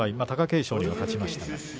貴景勝には勝ちました。